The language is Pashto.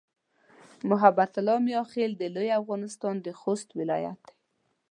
محبت الله "میاخېل" د لوی افغانستان د خوست ولایت دی.